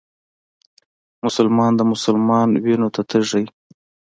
مسلمان د مسلمان وينو ته تږی